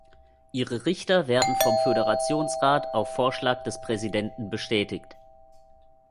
Ihre Richter werden vom Föderationsrat auf Vorschlag des Präsidenten bestätigt.